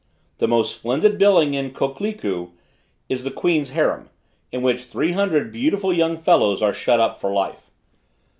The most splendid building in Kokleku is the Queen's harem, in which three hundred beautiful young fellows are shut up for life.